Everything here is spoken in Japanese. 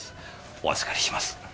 お預かりします。